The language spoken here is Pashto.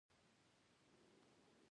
مېلمه ته وخت ورکړه چې آرام وکړي.